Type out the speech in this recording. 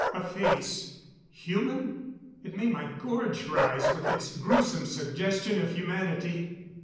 A face ... human? It made my gorge rise with its gruesome suggestion of humanity.